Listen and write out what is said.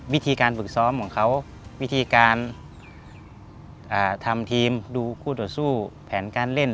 วิธีการฟึกซ้อมอ่าทำทีมดูคู่ด่อสู้แผนการเล่น